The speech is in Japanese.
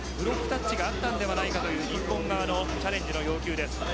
ブロックタッチがあったのではないかという日本側の要求です。